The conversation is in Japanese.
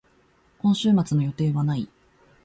今週末の予定はない。